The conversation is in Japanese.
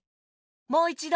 もういちど！